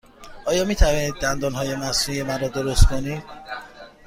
آیا می توانید دندانهای مصنوعی مرا درست کنید؟